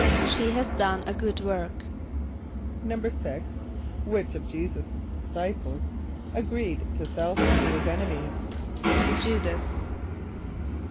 ="She has done a good work."= =6.= Which of J[=e]´[s+]us' disciples agreed to sell him to his enemies? =J[=u]´das.